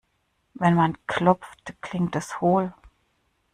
Wenn man klopft, klingt es hohl.